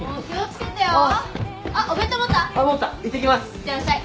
いってらっしゃい。